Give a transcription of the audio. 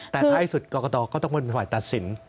แต่ถ้าให้สุดกรกตก็ต้องเป็นวันตัดสิน